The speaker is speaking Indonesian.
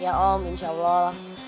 ya om insya allah